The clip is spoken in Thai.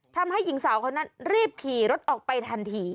ทำให้หญิงสาวคนนั้นรีบขี่รถออกไปทันที